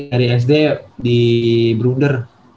dari sd di bruder